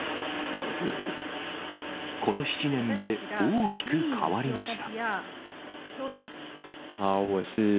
この７年で大きく変わりました。